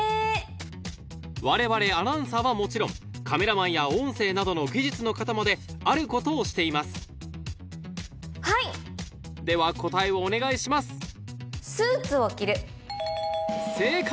我々アナウンサーはもちろんカメラマンや音声などの技術の方まであることをしていますでは答えをお願いします正解！